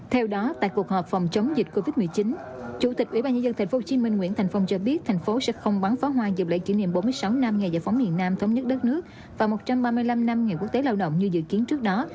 theo đó tại cuộc họp phòng chống dịch covid một mươi chín chủ tịch ủy ban nhân dân thành phố hồ chí minh nguyễn thành phong cho biết thành phố sẽ không bán phó hoa dựa lệ kỷ niệm bốn mươi sáu năm ngày giải phóng miền nam thống nhất đất nước và một trăm ba mươi năm năm ngày quốc tế lao động như dự kiến trước đó